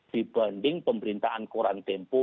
dibanding pemerintahan koran tempo